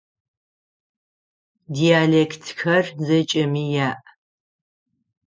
Диалектхэр зэкӏэми яӏ.